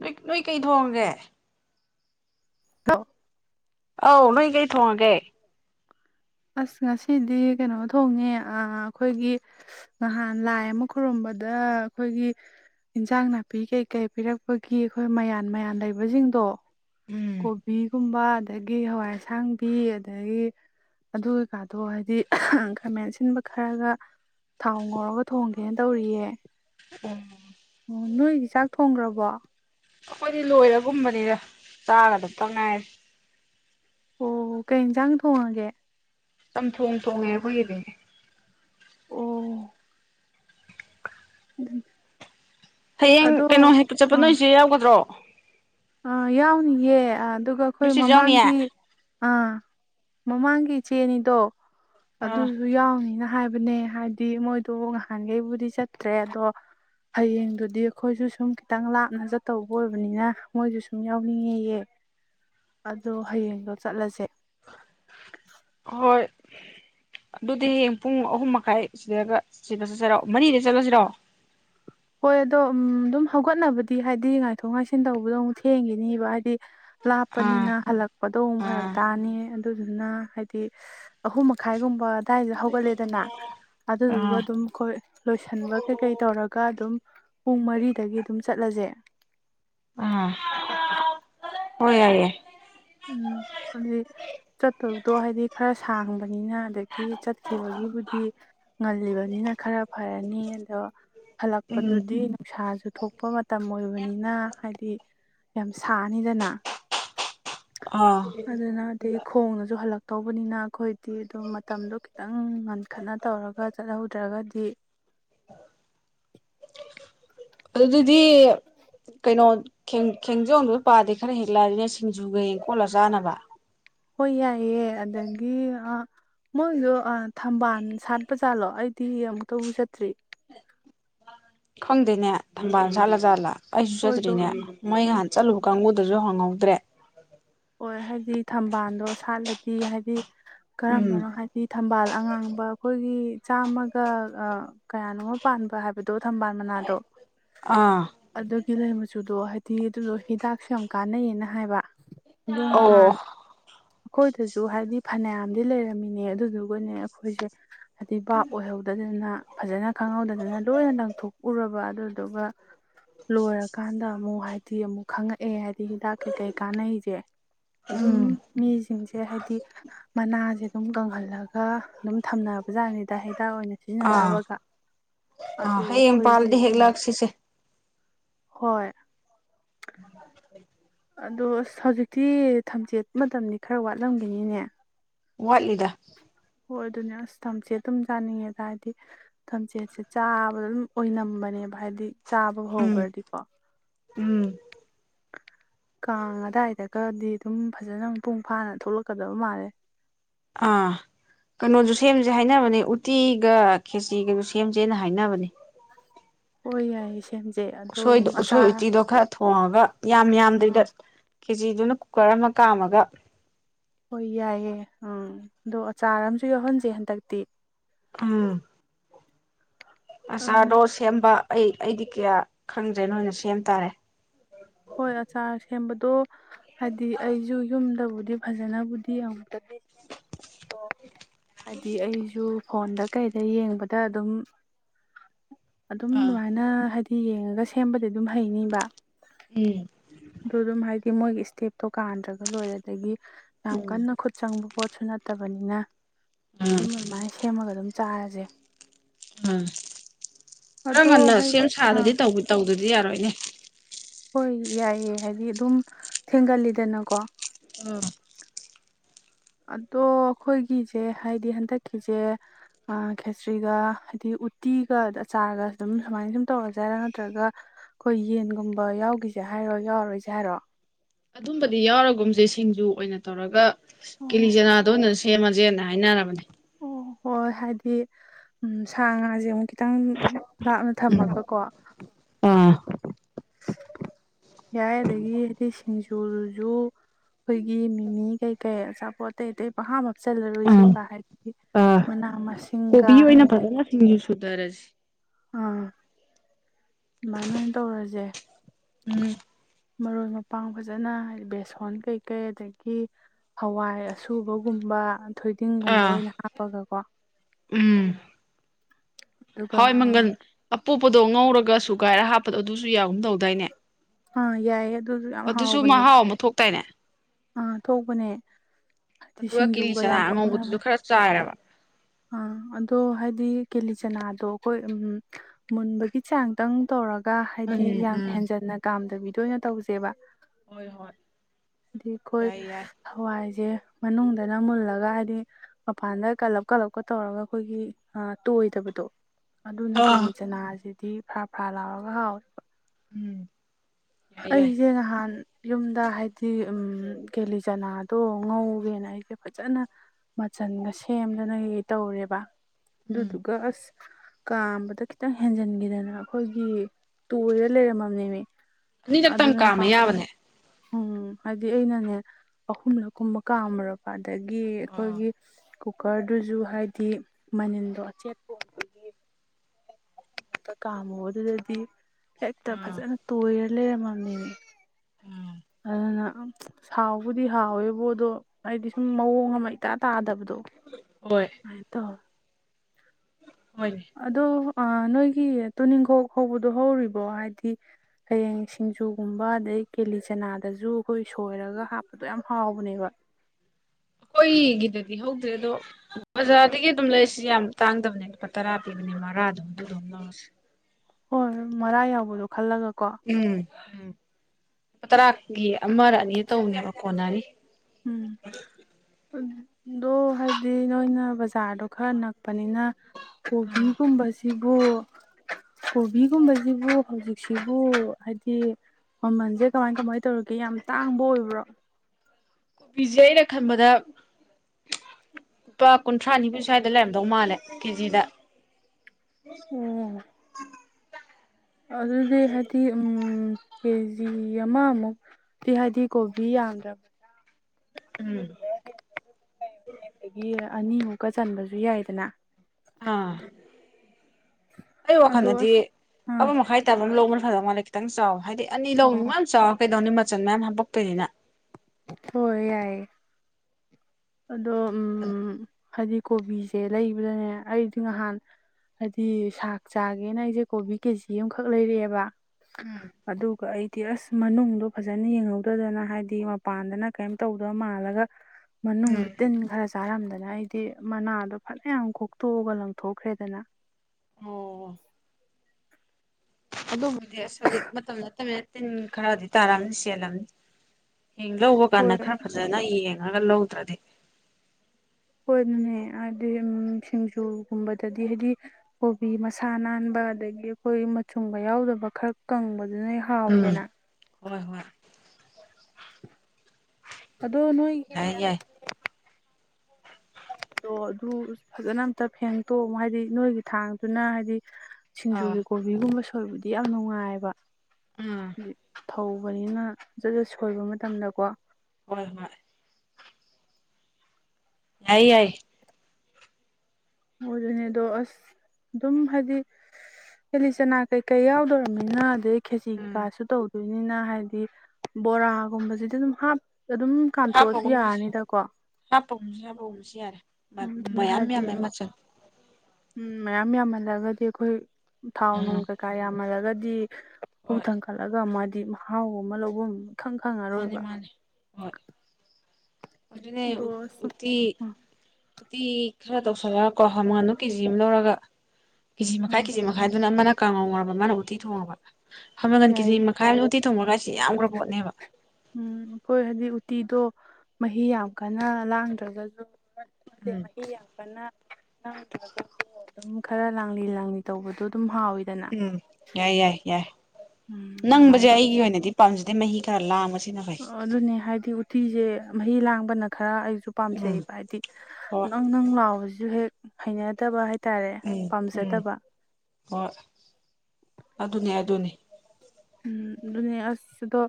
ꯅꯣꯏ ꯅꯣꯏ ꯀꯩ ꯊꯣꯡꯉꯒꯦ ꯍ ꯑꯧ ꯅꯣꯏ ꯀꯩ ꯊꯣꯡꯉꯒꯦ ꯑꯁ ꯉꯁꯤꯗꯤ ꯀꯩꯅꯣ ꯊꯣꯡꯉꯦ ꯑꯩꯈꯣꯏꯒꯤ ꯅꯍꯥꯟ ꯂꯥꯏ ꯑꯃ ꯈꯨꯔꯨꯝꯕꯗ ꯑꯩꯈꯣꯏꯒꯤ ꯏꯟꯁꯥꯡ ꯅꯥꯄꯤ ꯀꯩꯀꯩ ꯄꯤꯔꯛꯄꯒꯤ ꯑꯩꯈꯣꯏ ꯃꯌꯥꯟ ꯃꯌꯥꯟ ꯂꯩꯕꯁꯤꯡꯗꯣ ꯎꯝ ꯀꯣꯕꯤ꯫ ꯒꯨꯝꯕ ꯑꯗꯒꯤ ꯍꯋꯥꯏ ꯑꯁꯥꯡꯕꯤ ꯑꯗꯒꯤ ꯑꯗꯨ ꯀꯩꯀꯥꯗꯣ ꯍꯥꯏꯗꯤ ꯈꯥꯃꯦꯟ ꯑꯁꯤꯟꯕ ꯈꯔꯒ ꯊꯥꯎ ꯉꯧꯔꯒ ꯊꯣꯡꯒꯦꯅ ꯇꯧꯔꯤꯌꯦ꯫ ꯑꯣ ꯅꯣꯏꯗꯤ ꯆꯥꯛ ꯊꯣꯡꯒ꯭ꯔꯕꯣ꯫ ꯑꯩꯈꯣꯏꯗꯤ ꯂꯣꯏꯔꯒꯨꯝꯕꯅꯤꯗ ꯆꯥꯒꯗꯕ ꯇꯪ ꯉꯥꯏꯔꯦ꯫ ꯑꯣ ꯀꯩ ꯏꯟꯖꯥꯡ ꯊꯣꯡꯉꯒꯦ꯫ ꯆꯝꯊꯣꯡ ꯊꯣꯡꯉꯦ ꯑꯩꯈꯣꯏꯒꯤꯗꯤ꯫ ꯑꯣ꯫ ꯑꯗꯨꯅ꯫ ꯍꯌꯦꯡ ꯀꯩꯅꯣ ꯍꯦꯛꯄ ꯆꯠꯄ ꯅꯣꯏ ꯆꯦ ꯌꯥꯎꯒꯗ꯭ꯔꯣ꯫ ꯑꯥ ꯌꯥꯎꯅꯤꯌꯦ ꯑꯥ꯫ ꯑꯗꯨꯒ ꯑꯩꯈꯣꯏ ꯅꯣꯏꯆꯦꯁꯨ ꯌꯥꯎꯅꯤꯌꯦ ꯃꯃꯥꯡꯒꯤ ꯑꯥ꯫ ꯃꯃꯥꯡꯒꯤ ꯏꯆꯦ ꯑꯅꯤꯗꯣ꯫ ꯑꯥ ꯑꯗꯨꯁꯨ ꯌꯥꯎꯅꯤꯅ ꯍꯥꯏ ꯑꯗꯨꯅꯦ ꯍꯥꯏꯗꯤ ꯃꯣꯏꯗꯨ ꯅꯍꯥꯟꯈꯩꯕꯨꯗꯤ ꯆꯠꯇ꯭ꯔꯦ ꯑꯗꯣ ꯍꯌꯦꯡꯗꯨꯗꯤ ꯑꯩꯈꯣꯏꯁꯨ ꯁꯨꯝ ꯈꯤꯇꯪ ꯂꯥꯞꯅ ꯆꯠꯇꯧꯕ ꯑꯣꯏꯕꯅꯤꯅ꯫ ꯃꯣꯏꯁꯨ ꯁꯨꯝ ꯌꯥꯎꯅꯤꯡꯉꯦꯌꯦ꯫ ꯑꯗꯣ ꯍꯌꯦꯡꯗꯣ ꯆꯠꯂꯁꯦ꯫ ꯍꯣꯏ ꯑꯗꯨꯗꯤ ꯍꯌꯦꯡ ꯄꯨꯡ ꯑꯍꯨꯝ ꯃꯈꯥꯏ ꯁꯤꯗꯒ ꯁꯤꯗ ꯆꯠꯁꯤꯔꯣ ꯃꯔꯤꯗꯩ ꯆꯠꯂꯨꯁꯤꯔꯣ꯫ ꯍꯣꯏ ꯑꯗꯣ ꯎꯝ ꯑꯗꯨꯝ ꯍꯧꯒꯠꯅꯕꯗꯤ ꯍꯥꯏꯗꯤ ꯉꯥꯏꯊꯣꯛ ꯉꯥꯏꯁꯤꯟ ꯇꯧꯕꯗꯣ ꯑꯃꯨꯛ ꯊꯦꯡꯈꯤꯅꯤꯕ ꯍꯥꯏꯗꯤ꯫ ꯑꯥ ꯂꯥꯞꯄꯅꯤꯅ ꯍꯜꯂꯛꯄꯗꯣ ꯑꯃꯨꯛ ꯐꯔꯛ ꯑꯥ ꯇꯥꯅꯤ꯫ ꯑꯗꯨꯗꯨꯅ ꯍꯥꯏꯗꯤ ꯑꯍꯨꯝ ꯃꯈꯥꯏꯒꯨꯝꯕ꯫ ꯑꯗꯥꯏꯗ ꯍꯧꯒꯠꯂꯦꯗꯅ ꯑꯗꯨꯗꯨꯒ ꯑꯥ ꯑꯗꯨꯝ ꯑꯩꯈꯣꯏ ꯂꯣꯏꯁꯤꯟꯕ ꯀꯩꯀꯩ ꯇꯧꯔ꯫ ꯑꯗꯨꯝ ꯄꯨꯡ ꯃꯔꯤꯗꯒꯤ ꯑꯗꯨꯝ ꯆꯠꯂꯖꯦ꯫ ꯑ ꯍꯌꯦꯌꯦꯦ ꯎꯝ ꯑꯗꯨꯗꯤ ꯆꯠꯇꯕꯗꯣ ꯍꯥꯏꯗꯤ ꯈꯔ ꯁꯥꯡꯕ꯫ ꯅꯤꯅ ꯑꯗꯒꯤ ꯆꯠꯈꯤꯕꯒꯤꯕꯨꯗꯤ꯫ ꯉꯜꯂꯤꯕꯅꯤꯅ ꯈꯔ꯫ ꯐꯔꯅꯤ ꯑꯗꯣ ꯎꯝ ꯍꯜꯂꯛꯄꯗꯨꯗꯤ ꯅꯨꯡꯁꯥꯁꯨ ꯊꯣꯛꯄ ꯃꯇꯝ ꯑꯣꯏꯕꯅꯤꯅ ꯍꯥꯏꯗꯤ꯫ ꯌꯥꯝ ꯁꯥꯅꯤꯗꯅ꯫ ꯑꯥ ꯑꯗꯨꯅ ꯑꯗꯩꯩ ꯈꯣꯡꯅꯁꯨ ꯍꯜꯂꯛ ꯇꯧꯕꯅꯤꯅ ꯑꯩꯈꯣꯏꯗꯤ ꯑꯗꯨ ꯃꯇꯝꯗꯣ ꯈꯤꯇꯪ ꯉꯟꯈꯠꯅ ꯇꯧꯔꯒ ꯆꯠꯍꯧꯗ꯭ꯔꯒꯗꯤ꯫ ꯑꯗꯨꯗꯤ ꯀꯩꯅꯣ ꯈꯦꯡ ꯈꯦꯡꯖꯣꯡꯗꯨ ꯄꯥꯗꯤ ꯈꯔ ꯍꯦꯛꯂꯛꯑꯁꯤꯅꯦ ꯁꯤꯡꯖꯨꯒꯩ ꯈꯣꯠꯂ ꯆꯥꯅꯕ꯫ ꯍꯣꯏ ꯌꯥꯏꯌꯦ ꯑꯗꯒꯤ ꯑꯥ ꯃꯣꯏꯗꯣ ꯑꯥ ꯊꯝꯕꯥꯟ ꯁꯥꯠꯄꯖꯥꯠꯂꯣ ꯑꯩꯗꯤ ꯑꯃꯨꯛꯇꯕꯨ ꯆꯠꯇ꯭ꯔꯤ꯫ ꯈꯪꯗꯦꯅꯦ ꯊꯝꯕꯥꯜ ꯁꯥꯠꯂ ꯖꯥꯠꯂꯥ꯫ ꯑꯩꯁꯨ ꯃꯣꯏꯗꯣ ꯆꯇ꯭ꯔꯤꯅꯦ ꯃꯣꯏ ꯎꯝ ꯉꯍꯥꯟ ꯆꯠꯂꯨꯕ ꯀꯥꯡꯒꯨ꯫ ꯑꯗꯨꯁꯨ ꯍꯪꯍꯧꯗ꯭ꯔꯦ꯫ ꯍꯣꯏ ꯍꯥꯏꯗꯤ ꯊꯝꯕꯥꯜꯗꯣ ꯁꯥꯠꯂꯗꯤ ꯍꯥꯏꯗꯤ꯫ ꯎꯝ ꯀꯔꯝꯕꯅꯣ ꯍꯥꯏꯗꯤ ꯊꯝꯕꯥꯜ ꯑꯉꯥꯡꯕ ꯑꯩꯈꯣꯏꯒꯤ꯫ ꯆꯥꯃꯒ ꯑꯥ ꯀꯌꯥꯅꯣ ꯄꯥꯟꯕ ꯍꯥꯏꯕꯗꯣ ꯊꯝꯕꯥꯜ ꯃꯅꯥꯗꯣ꯫ ꯑꯥ꯫ ꯒꯤ ꯂꯩ ꯃꯆꯨꯗꯣ ꯍꯥꯏꯗꯤ ꯑꯗꯨꯗꯣ ꯍꯤꯗꯥꯛꯁꯨ ꯌꯥꯝ ꯀꯥꯟꯅꯩꯌꯦꯅ ꯍꯥꯏꯕ ꯑꯗꯨ ꯉꯍꯥꯟ ꯑꯣ ꯑꯩꯈꯣꯏꯗꯁꯨ ꯍꯥꯏꯕꯗꯤ ꯐꯅꯌꯥꯝꯗꯤ ꯂꯩꯔꯝꯃꯤꯅꯦ ꯑꯗꯨꯗꯨꯒꯅꯦ ꯑꯩꯈꯣꯏꯁꯦ ꯍꯥꯏꯗꯤ ꯕꯥꯥꯞ ꯑꯣꯏꯍꯧꯗꯗꯅ ꯐꯖꯅ ꯈꯪꯍꯧꯗꯗꯅ ꯂꯣꯏꯅ ꯂꯪꯊꯣꯛꯎꯔꯕ ꯑꯗꯨꯗꯨꯒ ꯂꯣꯏꯔꯀꯥꯟꯗ ꯑꯃꯨꯛ ꯍꯥꯏꯗꯤ ꯑꯃꯨꯛ ꯈꯪꯉꯛꯑꯦ ꯍꯥꯏꯗꯤ ꯍꯤꯗꯥꯛ ꯀꯩꯀꯩ ꯀꯥꯟꯅꯩꯁꯦ ꯑꯗꯨꯝ ꯎꯝ ꯃꯤꯁꯤꯡꯁꯦ ꯍꯥꯏꯗꯤ ꯃꯅꯥꯁꯦ꯫ ꯁꯨꯝ ꯀꯪꯍꯜꯂꯒ ꯑꯗꯨꯝ ꯊꯝꯅꯕꯖꯥꯠꯅꯤꯗ ꯍꯤꯗꯥꯛ ꯑꯣꯏꯅ ꯑꯥ ꯁꯤꯖꯤꯟꯅꯅꯕꯒ ꯑꯥ ꯑꯗꯣ ꯍꯌꯦꯡ ꯑꯩꯈꯣꯏꯗꯤ ꯄꯥꯜꯂꯗꯤ ꯎꯝ ꯍꯦꯛꯂꯛꯁꯤꯁꯦ ꯍꯣꯏ꯫ [inaudible] ꯑꯗꯣ ꯑꯁ ꯍꯧꯖꯤꯛꯇꯤ ꯊꯝꯆꯦꯠ ꯃꯇꯝꯗꯤ ꯈꯔ ꯋꯥꯠꯂꯝꯈꯤꯅꯤꯅꯦ ꯋꯥꯠꯂꯤꯗꯤ ꯍꯣꯏ ꯑꯗꯨꯅꯦ ꯑꯁ ꯊꯝꯆꯦꯠ ꯇꯨꯝ ꯆꯥꯅꯤꯡꯉꯦꯗ ꯍꯥꯏꯗꯤ ꯊꯝꯆꯦꯠꯁꯦ ꯆꯥꯕꯗ ꯑꯗꯨꯝ ꯑꯣꯏꯅꯝꯕꯅꯦꯕ ꯍꯥꯏꯗꯤ꯫ ꯆꯥꯕꯕꯨ ꯎꯝ ꯍꯧꯈ꯭ꯔꯗꯤꯀꯣ ꯎꯝ ꯀꯥꯡ ꯑꯗꯥꯏꯗꯒꯗꯤ ꯑꯗꯨꯝ ꯐꯖꯅ ꯃꯄꯨꯡ ꯐꯥꯅ ꯊꯣꯛꯂꯛꯀꯗꯕ ꯃꯥꯜꯂꯦ ꯑꯥ ꯀꯩꯅꯣꯁꯨ ꯁꯦꯝꯁꯦ ꯍꯥꯏꯅꯕꯅꯦ ꯎꯇꯤꯒ ꯈꯦꯆꯤꯒꯁꯨ ꯁꯦꯝꯁꯦꯅ ꯍꯥꯏꯅꯕꯅꯦ꯫ ꯍꯣꯏ ꯌꯥꯌꯦ ꯁꯦꯝ ꯁꯣꯏꯗꯣ ꯎꯁꯣꯏ ꯎꯇꯤꯗꯣ ꯈꯔ ꯊꯣꯡꯉ [unintelligible] ꯌꯥꯝ ꯌꯥꯝꯗ꯭ꯔꯤꯗꯥ ꯑꯥ ꯈꯦꯖꯤꯗꯨꯅ ꯀꯨꯀꯔ ꯑꯃ ꯀꯥꯝꯃꯒ꯫ ꯍꯣꯏ ꯌꯥꯏꯌꯦ ꯑꯝ ꯑꯗꯣ ꯑꯆꯥꯔ ꯑꯃꯁꯨ ꯌꯥꯎꯍꯟꯖꯦ ꯍꯟꯗꯛꯇꯤ꯫ ꯎꯝ ꯑꯗꯨꯅꯦ ꯑꯆꯥꯔꯗꯣ ꯁꯦꯝꯕ ꯑꯩ ꯑꯩꯗꯤ ꯀꯌꯥ ꯈꯪꯗ꯭ꯔꯦ ꯅꯣꯏꯅ ꯁꯦꯝ ꯇꯥꯔꯦ ꯍꯣꯏ ꯑꯆꯥꯔ ꯁꯦꯝꯕꯗꯣ ꯍꯥꯏꯗꯤ ꯑꯩꯁꯨ ꯌꯨꯝꯗꯕꯨ ꯕꯨꯗꯤ ꯐꯖꯅꯕꯨꯗꯤ ꯑꯃꯨꯛꯇꯗꯤ [unintelligible] ꯍꯥꯏꯗꯤ ꯑꯩꯁꯨ ꯐꯣꯟꯗ ꯀꯩꯗ ꯌꯦꯡꯕꯗ ꯑꯗꯨꯝ ꯑꯗꯨꯝ ꯑꯥ ꯑꯗꯨꯃꯥꯏꯅ ꯍꯥꯏꯗꯤ ꯁꯤ ꯌꯦꯡꯉꯒ ꯁꯦꯝꯕꯗꯤ ꯑꯗꯨꯝ ꯍꯩꯅꯤꯕ ꯎꯝ ꯑꯗꯨ ꯑꯗꯨꯝ ꯍꯥꯏꯗꯤ ꯃꯣꯏꯒꯤ ꯏꯁꯇꯦꯞꯇꯣ ꯀꯥꯟꯗ꯭ꯔꯒ ꯂꯣꯏꯔꯦꯗꯒꯤ ꯌꯥꯝ ꯀꯟꯅ ꯈꯨꯠ ꯆꯪꯕ ꯄꯣꯠꯁꯨ ꯅꯠꯇ ꯠꯇꯕꯅꯤꯅ ꯊ ꯎꯝ ꯃꯥꯥꯏꯁꯌꯥꯃꯒ ꯑꯗꯨ ꯆꯥꯔꯁꯦ ꯎꯝ ꯈꯔ ꯑꯗꯣ ꯉꯟꯅ ꯍꯩ ꯁꯦꯝ ꯑꯥ ꯁꯥꯗꯗꯤ ꯇ ꯇꯧꯗ ꯑꯗꯨꯗꯤ ꯌꯥꯔꯣꯏꯅꯦ ꯍꯣꯏ ꯌꯥꯏꯌꯦ ꯍꯥꯏꯗꯤ ꯑꯗꯨꯝ ꯊꯦꯡꯒꯜꯂꯤꯗꯅꯀꯣ ꯑ ꯑꯗꯣ ꯑꯩꯈꯣꯏꯒꯤꯁꯦ ꯍꯥꯏꯗꯤ ꯍꯟꯗꯛꯀꯤꯁꯦ ꯈꯦꯆ꯭ꯔꯤꯒ ꯍꯥꯏꯗꯤ ꯎꯠꯇꯤꯒ ꯑ ꯆꯥꯔꯒ ꯑꯗꯨꯝ ꯁꯨꯃꯥꯏꯅ ꯁꯨꯝ ꯇꯧꯔꯁ ꯍꯥꯏꯔꯣ ꯅꯠꯇ꯭ꯔꯒ ꯑꯩꯈꯣꯏ ꯌꯦꯟꯒꯨꯝꯕ ꯌꯥꯎꯒꯤꯁꯦ ꯍꯥꯏꯔꯣ ꯌꯥꯎꯔꯔꯣꯏꯁꯦ ꯍꯥꯏꯔꯣ ꯑꯗꯨꯝꯕꯗꯤ ꯌꯥꯎꯔꯒꯨꯝꯁꯦ ꯁꯤꯡꯖꯨ ꯑꯣꯏꯅ ꯇꯧꯔꯒ ꯑꯣ ꯀꯂꯤꯖꯅꯥꯗꯣꯅꯁꯤ ꯆꯦꯃꯁꯦꯅ ꯍꯥꯏꯅꯔꯕꯅꯦ ꯑꯣ ꯍꯣꯏ ꯍꯥꯏꯗꯤ ꯎꯝ ꯁꯥ ꯉꯥꯁꯦ ꯑꯃꯨꯛ ꯈꯤꯇꯪ ꯂꯥꯞꯅ ꯊꯝꯃꯒꯀꯣ ꯎꯝ ꯌꯥꯏ ꯑꯗꯨꯗꯒꯤ ꯍꯥꯏꯗꯤ ꯁꯤꯡꯖꯨꯗꯨꯁꯨ ꯑꯩꯈꯣꯏꯒꯤ ꯃꯤꯃꯤ ꯀꯩꯀꯩ ꯑꯆꯥꯄꯣꯠ ꯑꯇꯩ ꯑꯇꯩ ꯑꯥ ꯑꯥ ꯆꯠꯂꯔꯣꯏꯁꯦꯕ ꯍꯥꯏꯗꯤ ꯑꯥ ꯃꯅꯥ ꯀꯣꯕꯤ ꯑꯣꯏꯅ ꯃꯁꯤꯡꯒꯦꯟ ꯐꯖꯅ ꯁꯤꯡꯖꯨ ꯁꯨꯊꯔꯁꯤ ꯑꯥ ꯑꯗꯨꯃꯥꯏꯅ ꯑꯣꯏꯅ ꯇꯧꯔꯁꯦ ꯎꯝ ꯃꯔꯣꯏ ꯃꯄꯥꯡ ꯐꯖꯅ ꯕꯦꯁꯣꯟ ꯀꯩꯀꯩ ꯑꯗꯒꯤ ꯍꯋꯥꯏ ꯑꯁꯨꯕꯒꯨꯝꯕ ꯊꯣꯏꯗꯤꯡꯒꯨꯝꯕ ꯑꯥ ꯑꯣꯏꯅ ꯍꯥꯞꯄꯒꯀꯣ ꯑꯗꯨꯒ ꯍꯣꯏ ꯃꯪꯒꯜ ꯄꯣꯛꯄꯗꯣ ꯉꯧꯔꯒ ꯁꯨꯒꯥꯏꯔ ꯍꯥꯞꯄꯗꯣ ꯑꯗꯨꯁꯨ ꯌꯥꯎꯒꯨꯝ ꯇꯧꯗꯥꯏꯅꯦ ꯑ ꯌꯥꯏ ꯑꯗꯨꯁꯨ ꯃꯍꯥꯎ ꯑꯃ ꯊꯣꯛꯇꯥꯏꯅꯦ ꯑꯥ ꯊꯣꯛꯄꯅꯦ ꯍꯥꯏꯗꯤ ꯑꯗꯨꯒ ꯀꯤꯂꯤ ꯁꯤꯡꯖꯨꯒ ꯆꯅꯥ ꯌꯥꯝ ꯄꯛꯅꯕꯅꯦ ꯑꯉꯧꯕꯗꯨꯁꯨ ꯈꯔ ꯆꯥꯏꯔꯕ ꯑꯥ ꯑꯗꯣ ꯍꯥꯏꯗꯤ ꯀꯦꯂꯤꯆꯅꯥꯗꯣ ꯑꯩꯈꯣꯏ ꯎ ꯃꯨꯟꯕꯒꯤ ꯆꯥꯡꯗꯪ ꯇꯧꯔꯒ ꯀ ꯍꯥꯏꯗꯤ ꯎꯝ ꯌꯥꯝ ꯎꯝ ꯍꯦꯟꯖꯟꯅ ꯀꯥꯝꯗ ꯐꯕꯤꯗ ꯑꯣꯏꯅ ꯇꯧꯁꯦꯕ ꯍꯥꯏꯗꯤ ꯑꯩꯈꯣꯏ ꯌꯥꯏ ꯌꯥꯏ ꯍꯋꯥꯏꯁꯦ ꯃꯅꯨꯡꯗꯅ ꯃꯨꯜꯂꯒ ꯍꯥꯏꯗꯤ ꯃꯄꯥꯟꯗ ꯀꯜꯂꯞ ꯀꯂꯞꯀ ꯇꯧꯔꯒ ꯑꯩꯈꯣꯏꯒꯤ ꯇꯣꯏꯗꯕꯗꯣ ꯑꯗꯨꯅ ꯑꯥ ꯀꯦꯜꯂꯤ ꯆꯅꯥꯁꯤꯗꯤ ꯗꯤ ꯐꯔꯥ ꯐꯔꯥ ꯂꯥꯎꯔꯒ ꯍꯥꯎꯋꯦꯕ ꯎꯝ ꯌꯥꯏ ꯌꯥꯏ ꯑꯩꯁꯦ ꯅꯍꯥꯟ ꯌꯨꯝꯗ ꯍꯥꯏꯕꯗꯤ ꯀꯦꯂꯤ ꯆꯅꯥꯗꯣ ꯉꯧꯒꯦꯅ ꯑꯩꯁꯦ ꯐꯖꯅ ꯃꯆꯟꯒ ꯁꯦꯝꯗꯨꯅ ꯀ ꯇꯧꯔꯦꯕ ꯗꯨꯗꯨꯒꯥꯥꯁ ꯀꯥꯝꯕꯗ ꯈꯤꯇꯪ ꯍꯦꯟꯖꯤꯟꯈꯤꯗꯅ ꯑꯩꯈꯣꯏꯒꯤ ꯇꯣꯏꯔ ꯂꯩꯔꯝꯃꯅꯦꯃꯤ ꯑꯅꯤꯔꯛꯇꯪ ꯀꯥꯝꯃ ꯌꯥꯕꯅꯦ ꯎꯝ ꯍꯥꯏꯗꯤ ꯑꯩꯅꯅꯦ ꯑꯍꯨꯝꯂꯛ ꯀꯨꯝꯕ ꯀꯥꯝꯃꯨꯔ ꯀꯥꯟ ꯑꯗꯒꯤ ꯑꯥ ꯑꯩꯈꯣꯏꯒꯤ ꯀꯨꯀꯔꯗꯨꯁꯨ ꯍꯥꯏꯗꯤ ꯃꯅꯤꯟꯗꯣ ꯑꯆꯦꯠꯄ ꯀ ꯀꯥꯝꯃꯨ ꯑꯗꯨꯗꯗꯤ ꯍꯦꯛꯇ ꯑꯥ ꯐꯖꯅ ꯇꯣꯏꯔ ꯂꯩꯔꯝꯃꯕꯅꯤꯅꯦ ꯎꯝ ꯑꯗꯨꯅ ꯁꯥꯎꯕꯨꯗꯤ ꯍꯥꯎꯋꯦꯕꯣ ꯑꯗꯣ ꯑꯩꯗꯤ ꯁꯨꯝ ꯃꯑꯣꯡ ꯑꯃ ꯏꯇꯥ ꯇꯥꯗꯕ ꯍꯣꯏ ꯍ ꯇꯣ ꯍꯣꯏꯅꯦ ꯑꯗꯣ ꯅꯣꯏꯒꯤ ꯇꯨꯅꯤꯡꯈꯣꯛ ꯍꯧꯕꯗꯣ ꯍꯧꯔꯤꯕꯣ ꯍꯥꯏꯗꯤ ꯍꯌꯦꯡ ꯁꯤꯡꯖꯨꯒꯨꯝꯕ ꯑꯗꯩ ꯀꯦꯂꯤ ꯆꯅꯥꯗꯖꯨ ꯑꯩꯈꯣꯏ ꯁꯣꯏꯔꯒ ꯍꯥꯞꯄꯗꯣ ꯌꯥꯝ ꯍꯥꯎꯕꯅꯦꯕ ꯑꯩꯈꯣꯏꯒꯤꯗꯗꯤ ꯍꯧꯗ꯭ꯔꯦ ꯑꯗꯣ ꯕꯖꯥꯔꯗꯒꯤ ꯑꯗꯨꯝ ꯂꯩꯔꯤꯁꯤ ꯌꯥꯝ ꯇꯥꯡꯗꯕꯅꯦ ꯂꯨꯄꯥ ꯇꯔꯥ ꯄꯤꯕꯅꯦ ꯃꯔꯥꯗꯣ ꯑꯗꯨꯗꯝ ꯂꯧꯔꯁꯤ ꯍꯣꯏ ꯃꯔꯥ ꯌꯥꯎꯕꯗ ꯈꯜꯂꯒꯀꯣ ꯎꯝ ꯂꯨꯄꯥ ꯇꯔꯥꯒꯤ ꯑꯃꯔ ꯑꯅꯤ ꯇꯧꯅꯦꯕ ꯎꯝ ꯎꯝ ꯑꯗꯣ ꯍꯥꯏꯗꯤ ꯅꯣꯏꯅ ꯕꯖꯥꯔꯗꯣ ꯈꯔ ꯅꯛ ꯄꯅꯤꯅ ꯑꯥ ꯀꯣꯕꯤꯒꯨꯝꯕꯁꯤꯕꯨ ꯀꯣꯕꯤꯒꯨꯝꯕꯁꯤꯕꯨ ꯍꯧꯖꯤꯛꯁꯤꯕꯨ ꯍꯥꯏꯗꯤ ꯃꯃꯜꯁꯦ ꯀꯃꯥꯏ ꯀꯃꯥꯏ ꯇꯧꯔꯒꯦ ꯌꯥꯝ ꯇꯥꯡꯕ ꯑꯣꯏꯕ꯭ꯔꯣ ꯀꯣꯕꯤꯁꯦ ꯑꯩꯅ ꯈꯟꯕꯗ ꯂꯨꯄꯥ ꯀꯨꯟꯊ꯭ꯔꯥ ꯅꯤꯐꯨ ꯁ꯭ꯋꯥꯏꯗ ꯂꯩꯔꯝꯗꯧ ꯃꯥꯜꯂꯦ ꯀꯦ ꯖꯤ ꯗ ꯎ ꯑꯣ ꯑꯗꯨꯗꯤ ꯍꯥꯏꯗꯤ ꯀꯦ ꯖꯤ ꯑꯃꯃꯨꯛꯇꯛꯇꯤ ꯍꯥꯏꯗꯤ ꯀꯣꯕꯤ ꯌꯥꯝꯗ꯭ꯔꯕ ꯎꯝ ꯗꯒꯤ ꯑꯅꯤꯃꯨꯛꯀ ꯆꯟꯕꯁꯨ ꯌꯥꯏꯗꯅ ꯑꯥ ꯑꯩ ꯑꯗꯣ ꯋꯥꯈꯜꯗꯗꯤ ꯑꯁ ꯑꯃ ꯃꯈꯥꯏ ꯇꯥꯕꯃ ꯂꯧꯕꯅ ꯐꯗꯧ ꯃꯥꯜꯂꯦ ꯈꯤꯇꯪ ꯆꯥꯎꯦ ꯍꯥꯏꯗꯤ ꯑꯅꯤ ꯂꯧꯅꯤ ꯑꯣ ꯃꯌꯥꯝ ꯆꯥꯎꯔ ꯀꯩꯗꯧꯅꯤ ꯆꯟ ꯃꯌꯥꯝ ꯍꯥꯄꯛꯇꯣꯏꯅꯤꯅ ꯍꯣꯏ ꯌꯥꯏꯌꯦ ꯑꯗꯣ ꯎꯝ ꯍꯥꯏꯗꯤ ꯀꯣꯕꯤꯁꯦ ꯂꯩꯕꯗꯅꯦ ꯑꯩꯗꯤ ꯅꯍꯥꯟ ꯍꯥꯏꯗꯤ ꯁꯥꯛ ꯆꯥꯒꯦꯅ ꯑꯩꯁꯦ ꯀꯣꯕꯤ ꯀꯦ ꯖꯤ ꯑꯃꯈꯛ ꯂꯩꯔꯛꯑꯦꯕ ꯎꯝ ꯑꯗꯨꯒ ꯑꯩ ꯇꯤ ꯑꯁ ꯃꯅꯨꯡꯗꯣ ꯐꯖꯅ ꯌꯦꯡꯍꯧꯗꯗꯅ ꯍꯥꯏꯗꯤ ꯃꯄꯥꯟꯗꯅ ꯀꯩꯝ ꯇꯧꯗꯕ ꯃꯥꯜꯂꯒ ꯎꯝ ꯃꯅꯨꯡꯁꯨ ꯇꯤꯟ ꯈꯔ ꯆꯥꯔꯝꯗꯅ ꯑꯩꯗꯤ ꯃꯅꯥꯗꯣ ꯐꯅ ꯌꯥꯝ ꯀꯣꯛꯇꯣꯛꯑꯒ ꯂꯪꯊꯣꯛꯈ꯭ꯔꯦꯗꯅ ꯑꯣ ꯑꯗꯨꯕꯨꯗꯤꯁ ꯃꯇꯝ ꯇꯤꯟ ꯈꯔꯗꯤ ꯇꯥꯔꯛꯑꯕꯅꯤ ꯆꯦꯜꯂꯕꯅꯤ ꯍꯌꯦꯡ ꯂꯧꯕ ꯀꯥꯟꯅ ꯍꯣꯏ ꯈꯔ ꯐꯖꯅ ꯌꯦꯡꯉ ꯅꯒꯂꯗ꯭ꯔꯗꯤ ꯍꯣꯏ ꯑꯗꯨꯅꯦ ꯍꯥꯏꯗꯤ ꯎ ꯁꯤꯡꯖꯨꯒꯨꯝꯕꯗꯗꯤ ꯍꯥꯏꯗꯤ ꯀꯣꯕꯤ ꯃꯁꯥ ꯅꯥꯟꯕ ꯑꯗꯒꯤ ꯑꯩꯈꯣꯏ ꯃꯆꯨꯡꯕ ꯌꯥꯎꯗꯕ ꯈꯔ ꯀꯪꯕ ꯑꯗꯨ ꯅ ꯎꯝ ꯍꯥꯎꯋꯤꯗꯅ ꯍꯣꯏ ꯍꯣꯏ ꯑꯗꯣ ꯅꯣꯏ ꯌꯥꯏ ꯌꯥꯏ ꯑꯗꯣ ꯑꯗꯨ ꯐꯖꯅ ꯑꯝꯇ ꯐꯦꯡꯇꯣꯛꯑ ꯍꯥꯏꯗꯤ ꯅꯣꯏꯒꯤ ꯊꯥꯡꯗꯨꯅ ꯍꯥꯏꯗꯤ ꯁꯤꯡꯖꯨꯒꯤ ꯑꯥ ꯀꯣꯕꯤꯒꯨꯝꯕ ꯁ ꯑꯩꯈꯣꯏꯕꯨꯗꯤ ꯌꯥꯝ ꯅꯨꯡꯉꯥꯏꯕ ꯎꯝ ꯍꯧꯕꯅꯤꯅ ꯖꯠ ꯖꯠ ꯁꯣꯏꯕ ꯃꯇꯝꯗꯀꯣ ꯍꯣꯏ ꯍꯣꯏ ꯌꯥꯏ ꯌꯥꯏ ꯑꯣꯏꯗꯨꯅꯦ ꯑꯗꯣ ꯑꯁ ꯑꯗꯨꯝ ꯍꯥꯏꯗꯤ ꯀꯦꯂꯤꯆꯅꯥ ꯀꯩꯀꯩ ꯌꯥꯎꯗꯧꯔꯃꯤꯅ ꯑꯗꯗꯒꯤ ꯈ‌ꯦꯁꯤ ꯎꯝ ꯀꯥꯁꯨ ꯇꯧ ꯑꯗꯨꯅꯤꯅ ꯍꯥꯏꯗꯤ ꯕꯣꯔꯥꯒꯨꯝꯕꯁꯤꯗꯤ ꯑꯗꯨꯝ ꯍꯥꯞ ꯑꯗꯨꯝ ꯀꯥꯝꯊꯣꯛꯑꯁꯨ ꯍꯥꯞꯄꯒꯨꯝꯁꯤ ꯌꯥꯔꯅꯤꯗꯀꯣ ꯍꯥꯞꯄꯒꯨꯝꯁꯨ ꯍꯥꯞꯄꯒꯨꯝꯁꯨ ꯌꯥꯔꯦ ꯃ ꯃꯌꯥꯝ ꯑꯗꯨꯅꯦ ꯌꯥꯝꯃꯦꯌꯥꯝꯃ‌ꯦ ꯃꯆꯜ ꯎꯝ ꯃꯌꯥꯝ ꯌꯥꯝꯍꯜꯂꯒꯗꯤ ꯑꯩꯈꯣꯏ ꯊꯥꯎꯅꯅꯨꯡ ꯎꯝ ꯀꯩꯀꯥꯏ ꯌꯥꯝ ꯑꯃ ꯂꯒ ꯒꯤ ꯕꯨ ꯍꯣꯏ ꯊꯪ ꯀꯂꯒ ꯃꯥꯗꯤ ꯃꯍꯥꯎꯒꯨꯝ ꯑꯃ ꯂꯧꯕ ꯃꯥꯅꯦ ꯃꯥꯅꯦ ꯍꯣꯏ ꯑꯗꯨꯅꯦ ꯑꯗꯣ ꯑꯁ ꯎꯠꯇꯤ ꯎꯝ ꯤ ꯈꯔ ꯇꯧꯁꯜꯂꯛꯒ ꯀꯣ ꯍꯃꯜꯗꯣ ꯀꯦꯖꯤ ꯑꯃ ꯂꯧꯔꯒ ꯀꯦꯖꯤ ꯃꯈꯥꯏ ꯎꯝ ꯀꯦꯖꯤ ꯃꯈꯥꯏꯗꯨꯅ ꯑꯃꯅ ꯀꯉꯧꯔꯕ ꯃꯥꯅ ꯎꯇꯤ ꯊꯣꯡꯉꯔꯕ ꯍꯒꯟ ꯀꯁꯤ ꯌꯥꯏꯌꯦ ꯃꯈꯥꯏ ꯊꯨꯡꯉꯒꯥꯏꯁꯤꯦ ꯌꯥꯝꯈ꯭ꯔꯕ ꯄꯣꯠꯅꯦꯕ ꯎꯝ ꯑꯩꯈꯣꯏ ꯍꯥꯏꯗꯤ ꯎꯇꯤꯗꯣ ꯃꯍꯤ ꯌꯥꯝ ꯀꯟꯅ ꯂꯥꯡꯗ꯭ꯔꯒꯁꯨ ꯁꯦ ꯎꯝ ꯃꯍꯤ ꯌꯥꯝ ꯀꯟꯅ ꯅꯪꯗ꯭ꯔꯒꯁꯨ ꯑꯗꯨꯝ ꯈꯔ ꯂꯥꯡꯂꯤ ꯂꯥꯡꯂꯤ ꯇꯧꯕꯗꯣ ꯑꯗꯨꯝ ꯍꯥꯎꯋꯤꯗꯅ ꯎꯝ ꯌꯥꯏ ꯌꯥꯏ ꯌꯥꯏ ꯎꯝ ꯑꯗꯨꯃꯥꯏꯅ ꯅꯪꯕꯁꯦ ꯑꯩꯒꯤ ꯑꯣꯏꯅꯗꯤ ꯄꯥꯝꯖꯗꯦ ꯃꯍꯤ [unintelligible] ꯑꯣ ꯑꯗꯨꯅꯦ ꯍꯥꯏꯗꯤ ꯎ ꯇꯤꯁꯦ ꯃꯍꯤ ꯂꯥꯡꯕꯅ ꯈꯔ ꯁꯨ ꯎꯝ ꯄꯥꯝꯖꯩꯑꯕ ꯍꯥꯏꯗꯤ ꯍꯣꯏ ꯅꯪ ꯅꯪ ꯂꯥꯎꯕꯁꯤꯁꯨ ꯍꯦꯛ ꯍꯩꯅꯗꯕ ꯍꯥꯏ ꯍꯥꯏꯇꯥꯔꯦ ꯎꯝ ꯎꯝ ꯄꯥꯝꯖꯗꯕ ꯍꯣꯏ ꯑꯗꯨꯅꯤ ꯑꯗꯨꯅꯤ ꯎꯝ ꯗꯨꯅꯤ ꯑꯁ ꯑꯗꯣ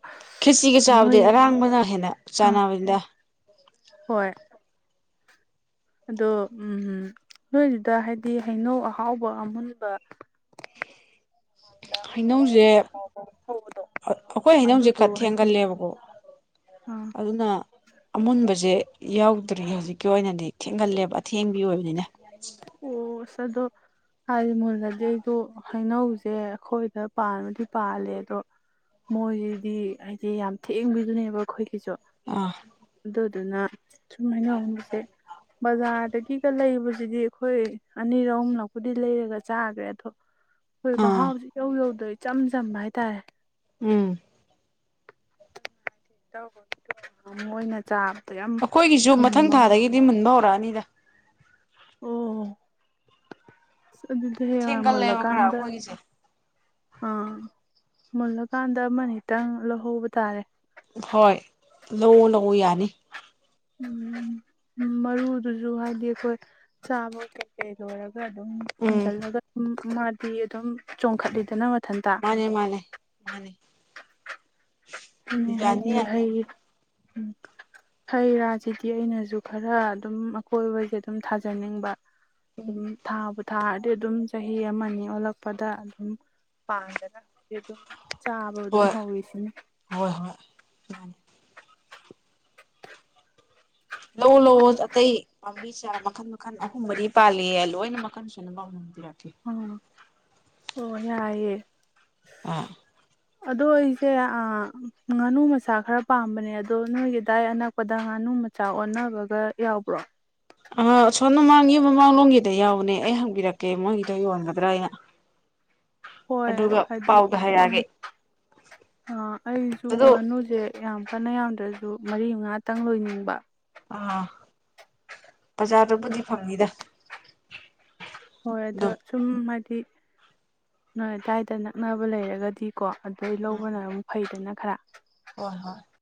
ꯈ꯭ꯔꯦꯆꯤꯒ ꯆꯥꯕꯗꯤ ꯅꯣꯏ ꯑꯔꯥꯡꯕꯅ ꯍꯦꯟꯅ ꯑꯥ ꯆꯥꯅꯕꯅꯤꯅ ꯍꯣꯏ ꯑꯗꯣ ꯅꯣꯏꯗꯨꯗ ꯍꯥꯏꯕꯗꯤ ꯍꯩꯅꯧ ꯑꯍꯥꯎꯕ ꯑꯃꯍꯨꯟꯕ ꯍꯩꯅꯧꯁꯦ ꯉꯥꯎꯕ ꯑꯃ ꯍꯧꯕꯗꯣ ꯑꯩꯈꯣꯏ ꯍꯩꯅꯧꯁꯦ ꯑꯗꯨꯗꯣ ꯈ ꯍꯥꯏꯗꯤ ꯊꯦꯡꯒꯜꯂꯦꯕꯀꯣ ꯑꯥ ꯑꯗꯨꯅ ꯑꯃꯨꯟꯕꯁꯦ ꯌꯥꯎꯗ꯭ꯔꯤ ꯍꯧꯖꯤꯛꯀꯤ ꯑꯣꯏꯅꯗꯤ ꯊꯦꯡꯒꯜꯂꯦꯕ ꯑꯊꯦꯡꯕꯤ ꯑꯣꯏꯕꯅꯤꯅ ꯑꯣ ꯑꯁ ꯑꯗꯣ ꯍꯥꯏꯗꯤ ꯃꯨꯂꯗꯤ ꯑꯩꯗꯣ ꯍꯩꯅꯧꯁꯦ ꯑꯩꯈꯣꯏꯗ ꯄꯥꯟꯕꯨꯗꯤ ꯄꯥꯜꯂꯦ ꯑꯗꯣ ꯃꯣꯏꯁꯤꯗꯤ ꯍꯥꯏꯗꯤ ꯌꯥꯝ ꯊꯦꯡꯕꯤꯗꯨꯅꯦꯕ ꯑꯩꯈꯣꯏ ꯒꯤꯖꯨ ꯑꯥ ꯑꯗꯨꯅ ꯁꯨꯝ ꯍꯩꯅꯧ ꯑꯃꯨꯟꯕꯁꯦ ꯕꯖꯥꯔꯗꯒꯤꯒ ꯂꯩꯕꯁꯤꯗꯤ ꯑꯩꯈꯣꯏ ꯑꯅꯤꯔ ꯑꯍꯨꯝꯂꯛꯄꯨꯗꯤ ꯂꯩꯔꯒ ꯆꯥꯈ꯭ꯔꯦ ꯑꯗꯣ ꯑꯩꯈꯣꯏ ꯑꯥ ꯃꯍꯥꯎꯁꯦ ꯏꯧ ꯌꯧꯗꯩ ꯏꯆꯝ ꯆꯝꯕ ꯍꯥꯏꯇꯥꯔꯦ ꯎꯝ [inaudible] ꯃꯣꯏꯅ ꯆꯥ ꯑꯩꯈꯣꯏꯒꯤꯁꯨ ꯃꯊꯪ ꯊꯥꯗꯒꯤꯗꯤ ꯃꯨꯟꯕ ꯍꯧꯔꯛꯑꯅꯤꯗ ꯑꯣ ꯑꯗꯨꯗꯤ ꯊꯦꯡꯒꯜꯂꯦꯕ ꯈꯔ ꯃꯨꯜꯂꯀꯥꯟꯗ ꯑꯩꯈꯣꯏꯒꯤꯁꯦ ꯑꯝ ꯃꯨꯜꯂꯀꯥꯟꯗ ꯑꯃ ꯅꯤꯇꯪ ꯂꯧꯍꯧꯕ ꯇꯥꯔꯦ ꯍꯣꯏ ꯂꯧꯑꯣ ꯂꯧꯑꯣ ꯌꯥꯅꯤ ꯎꯝ ꯃꯔꯨꯗꯨꯁꯨ ꯍꯥꯏꯗꯤ ꯑꯩꯈꯣꯏ ꯆꯥꯕ ꯀꯩꯀꯩ ꯂꯣꯏꯔꯒ ꯒ ꯑꯗꯨꯝ ꯎꯝ ꯄꯨꯨꯟꯖꯜꯂꯒ ꯑꯗꯨꯝ ꯃꯥꯗꯤ ꯑꯗꯨꯝ ꯆꯣꯡꯈꯠꯂꯤꯗꯅ ꯃꯊꯟꯇ ꯃꯥꯟꯅꯦ ꯃꯥꯟꯅꯦ ꯃꯥꯟꯅꯦ ꯌꯥꯅꯤ ꯍꯥꯏꯗꯤ ꯌꯥꯅꯤ ꯍꯩ ꯎꯝ ꯍꯩ ꯔꯥꯁꯤꯗꯤ ꯑꯩꯅꯁꯨ ꯈꯔ ꯑꯗꯨꯝ ꯑꯀꯣꯏꯕꯗ ꯑꯗꯨꯝ ꯊꯥꯖꯅꯤꯡꯕ ꯑꯗꯨꯝ ꯊꯥꯕꯨ ꯊꯥꯔ ꯑꯗꯨꯝ ꯆꯍꯤ ꯑꯃꯅꯤ ꯑꯣꯜꯂꯛꯄꯗ ꯑꯗꯨꯝ ꯄꯥꯟꯗꯅ [inaudible] ꯑꯗꯨꯝ ꯆꯥꯕ ꯑꯗꯨꯝ ꯍꯣꯏ ꯍꯧꯋꯤꯁꯤꯅꯦ ꯍꯣꯏ ꯍꯣꯏ ꯃꯥꯟꯅꯤ ꯂꯧꯑꯣ ꯂꯧꯑꯣ ꯑꯇꯩ ꯄꯥꯝꯕꯤ ꯆꯥꯔ ꯃꯈꯜ ꯃꯈꯜ ꯑꯍꯨꯝ ꯃꯗꯤ ꯄꯥꯜꯂꯤꯦ ꯂꯣꯏꯅ ꯃꯈꯟ ꯁꯨꯅꯕ ꯑꯃꯃꯝ ꯄꯤꯔꯛꯀꯦ ꯑ ꯑꯣ ꯌꯥꯏꯌꯦ ꯑ ꯑꯗꯣ ꯑꯩꯁꯦ ꯑꯥ ꯉꯥꯅꯨ ꯃꯆꯥ ꯈꯔ ꯄꯥꯝꯕꯅꯦ ꯑꯗꯣ ꯅꯣꯏꯒꯤ ꯗꯥꯏ ꯑꯅꯛꯄꯗ ꯉꯥꯅꯨ ꯃꯆꯥ ꯑꯣꯟꯅꯕꯒ ꯌꯥꯎꯕ꯭ꯔꯣ꯫ ꯑꯥ ꯑꯁꯣꯝ ꯃꯃꯥꯡ ꯃꯃꯥꯡꯒꯤ ꯃꯃꯥꯡꯂꯣꯝꯒꯤꯗ ꯌꯥꯎꯅꯦ ꯑꯩ ꯍꯪꯕꯤꯔꯛꯀꯦ ꯃꯣꯏꯒꯤꯗ ꯌꯣꯟꯒꯗ꯭ꯔꯥꯩꯅ꯫ ꯍꯣꯏ ꯍꯥꯏꯗꯤ ꯎꯝ ꯍꯥꯏꯔꯛꯑꯒꯦ ꯑꯥ ꯑꯩꯁꯨ ꯑꯗꯣ ꯉꯥꯅꯨꯁꯦ꯫ ꯌꯥꯝ ꯀꯟꯅ ꯌꯥꯝꯗ꯭ꯔꯁꯨ ꯃꯔꯤ ꯃꯉꯥꯇꯪ ꯂꯣꯏꯅꯤꯡꯕ꯫ ꯑꯥ ꯕꯖꯥꯔꯗꯕꯨꯗꯤ ꯐꯪꯅꯤꯗ꯫ ꯍꯣꯏ ꯑꯗꯣ ꯑꯗꯨꯝ ꯁꯨꯝ ꯍꯥꯏꯗꯤ꯫ ꯅꯣꯏ ꯑꯗꯥꯏꯗ ꯅꯛꯅꯕ ꯂꯩꯔꯒꯗꯤ꯫ ꯀꯣ ꯑꯗꯨꯗꯩ ꯎꯝ ꯂꯧꯕꯅ ꯑꯃꯨꯛ ꯐꯩꯗꯅ꯫ ꯈꯔ꯫ ꯍꯣꯏ ꯍꯣꯏ꯫